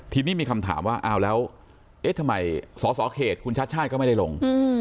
ทีนี้มีคำถามว่าอ้าวแล้วเอ๊ะทำไมสสเขตคุณชาติชาติก็ไม่ได้ลง